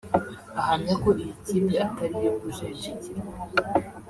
ahamya ko iyi kipe atari iyo kujenjekerwa